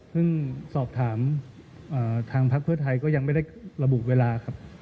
ซึ่งสอบถามทางพักเพื่อไทยก็ยังไม่ได้ระบุเวลาครับ